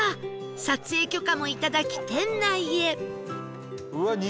撮影許可もいただき店内へ